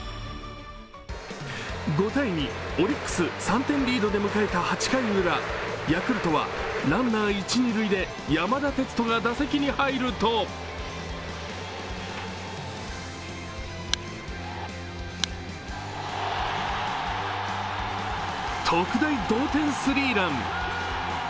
５−２オリックス３点リードで迎えた８回ウラヤクルトはランナー、一・二塁で山田哲人が打席に入ると特大同点スリーラン。